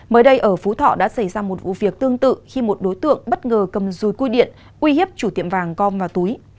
mới đây ở phú thọ đã xảy ra một vụ việc tương tự khi một đối tượng bất ngờ cầm dùi cui điện uy hiếp chủ tiệm vàng com vào túi